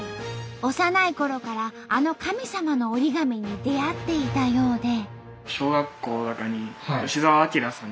幼いころからあの神様の折り紙に出会っていたようで。